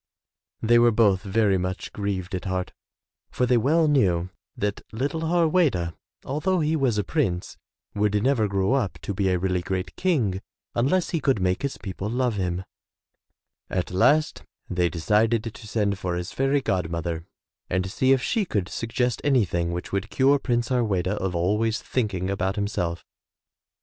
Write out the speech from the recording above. '' They were both very much grieved at heart for they well knew that little Harweda, although he was a prince, would never grow up to be a really great King unless he could make his people love him. At last they decided to send for his fairy god mother and see if she could suggest anything which would cure Prince Har weda of always thinking about himself. "Well, well, well!" lArFrom In Storyland.